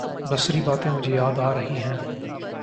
بسری باتیں مجھے یاد آ رہی ہیں۔